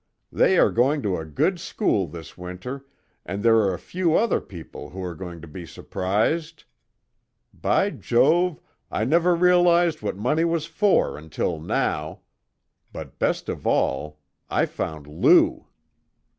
They are going to a good school this winter, and there are a few other people who are going to be surprised! By Jove, I never realized what money was for until now! But best of all, I found Lou!"